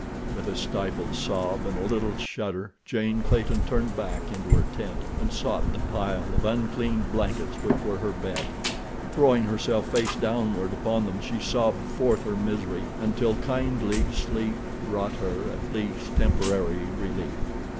With a stifled sob, and a little shudder, Jane Clayton turned back into her tent and sought the pile of unclean blankets which were her bed. Throwing herself face downward upon them she sobbed forth her misery until kindly sleep brought her, at least temporary, relief.